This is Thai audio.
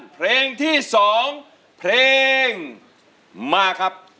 เพลงที่๒เพลงมาครับ